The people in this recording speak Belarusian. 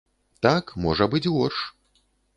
Так, можа быць горш.